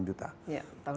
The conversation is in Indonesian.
ya tahun lalu